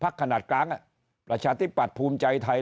ประชาชนิดประชาธิบัติภูมิใจไทย